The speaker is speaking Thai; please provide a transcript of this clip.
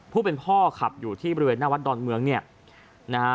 ผู้เป็นพ่อขับอยู่ที่บริเวณหน้าวัดดอนเมืองเนี่ยนะฮะ